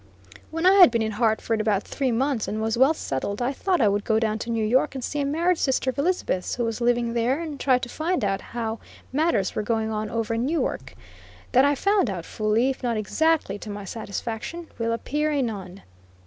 When I had been in Hartford about three months, and was well settled, I thought I would go down to New York and see a married sister of Elizabeth's, who was living there, and try to find out how matters were going on over in Newark. That I found out fully, if not exactly to my satisfaction, will appear anon.